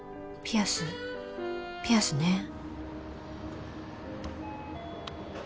ピアスピアスね